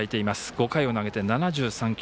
５回を投げて７３球。